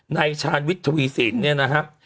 นายชาญวิทย์ธวีศิลป์เนี่ยนะฮะ